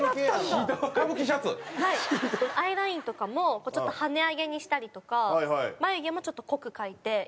アイラインとかもちょっと跳ね上げにしたりとか眉毛もちょっと濃く描いて。